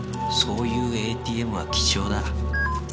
そういうＡＴＭは貴重だ。